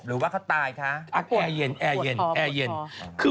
จากธนาคารกรุงเทพฯ